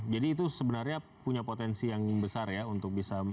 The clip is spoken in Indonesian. jadi itu sebenarnya punya potensi yang besar ya untuk bisa